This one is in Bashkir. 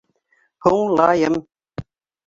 Һуңлайым!